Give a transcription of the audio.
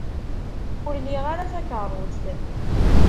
Ur liɣ ara takeṛṛust.